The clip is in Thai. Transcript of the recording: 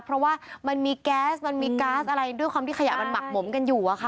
เพราะว่ามันมีแก๊สมันมีก๊าซอะไรด้วยความที่ขยะมันหมักหมมกันอยู่อะค่ะ